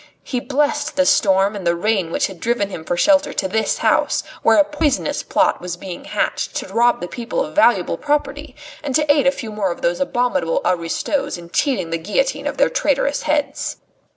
He blessed the storm and the rain which had driven him for shelter to this house, where a poisonous plot was being hatched to rob the people of valuable property, and to aid a few more of those abominable aristos in cheating the guillotine of their traitorous heads.